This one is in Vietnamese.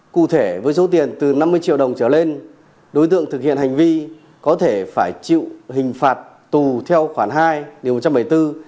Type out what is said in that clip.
cụ thể với số tiền từ năm mươi triệu đồng trở lên đối tượng thực hiện hành vi có thể phải chịu hình phạt tù theo khoản hai điều một trăm bảy mươi bốn